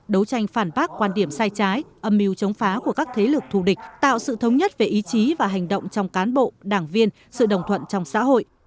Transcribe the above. đấu tranh phản bác quan điểm sai trái âm mưu chống phá của các thế lực thù địch tạo sự thống nhất về ý chí và hành động trong cán bộ đảng viên sự đồng thuận trong xã hội